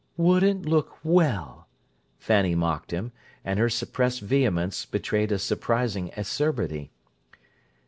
"Wouldn't look well!" Fanny mocked him; and her suppressed vehemence betrayed a surprising acerbity.